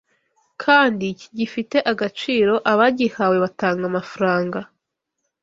kandi kigifite agaciro abagihawe batanga amafranga